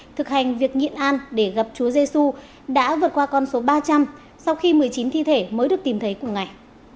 thực hành việc nghiện an để gặp chúa giê xu đã vượt qua con số ba trăm linh sau khi một mươi chín thi thể mới được tìm thấy cùng ngày